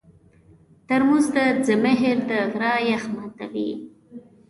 ترموز د زمهر د غره یخ ماتوي.